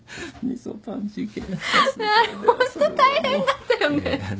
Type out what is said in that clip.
ホント大変だったよね。